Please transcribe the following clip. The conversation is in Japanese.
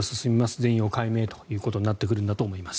全容解明ということになってくるんだと思います。